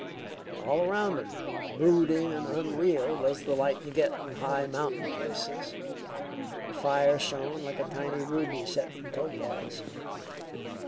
All around him, brooding and unreal, was the light you get in high mountain places. The fire shone like a tiny ruby set in topaz.